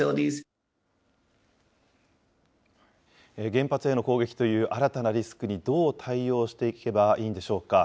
原発への攻撃という新たなリスクにどう対応していけばいいんでしょうか。